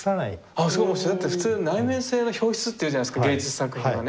ああだって普通内面性の表出って言うじゃないですか芸術作品はね。